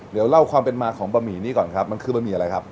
เดี๋ยวเล่าความเป็นมาของบะหมี่นี้ก่อนครับมันคือบะหมี่อะไรครับ